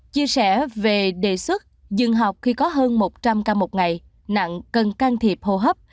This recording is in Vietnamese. chia sẻ về đề xuất dừng học khi có hơn một trăm linh ca một ngày nặng cần can thiệp hô hấp